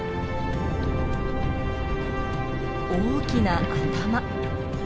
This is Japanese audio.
大きな頭。